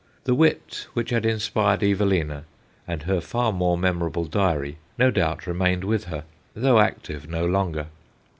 The wit which had inspired Evelina and her far more memor able diary no doubt remained with her, though active no longer.